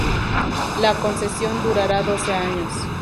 La concesión durará doce años.